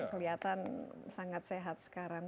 kelihatan sangat sehat sekarang